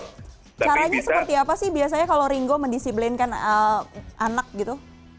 caranya seperti apa sih biasanya kalau ringo mendisiplinkan anak gitu